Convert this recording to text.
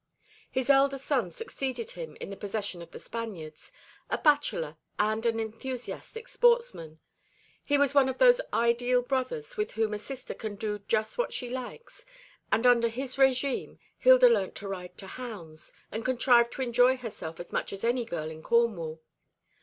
His elder son succeeded him in the possession of The Spaniards, a bachelor, and an enthusiastic sportsman. He was one of those ideal brothers with whom a sister can do just what she likes; and under his régime Hilda learnt to ride to hounds, and contrived to enjoy herself as much as any girl in Cornwall.